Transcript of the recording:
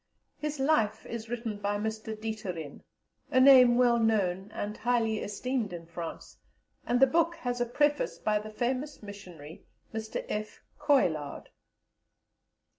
His life is written by Mr. Dieterlen (a name well known and highly esteemed in France), and the book has a preface by the famous missionary, Mr. F. Coillard.